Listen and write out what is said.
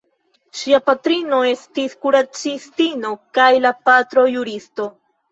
Ŝia patrino estis kuracistino kaj la patro juristo.